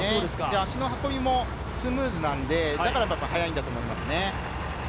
足の運びもスムーズなんで、だからやっぱり速いんだと思いますね。